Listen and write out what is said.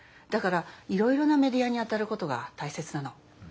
だからいろいろなメディアにあたることがたいせつなの。